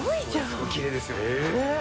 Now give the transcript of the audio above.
すごいきれいですよね。